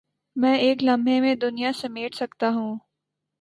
میں ایک لمحے میں دنیا سمیٹ سکتا ہوں